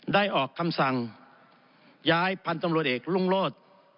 ได้ออกคำสั่งย้ายพันธุ์ตำรวจเอกรุ่งโลศ